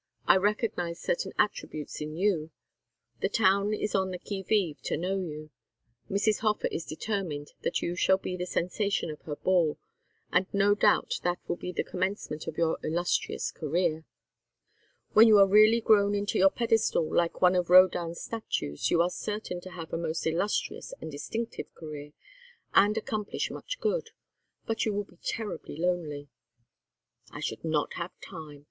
I recognize certain attributes in you. The town is on the qui vive to know you. Mrs. Hofer is determined that you shall be the sensation of her ball, and no doubt that will be the commencement of your illustrious career. When you are really grown into your pedestal like one of Rodin's statues, you are certain to have a most illustrious and distinctive career and accomplish much good. But you will be terribly lonely." "I should not have time.